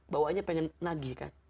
bawanya pengen nagih kan